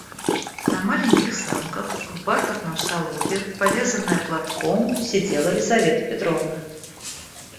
На маленьких санках, в бархатном салопе, повязанная платком, сидела Лизавета Петровна.